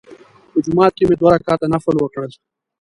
په جومات کې مې دوه رکعته نفل وکړل.